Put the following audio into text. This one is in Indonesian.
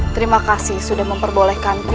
terima kasih sudah memperbolehkanku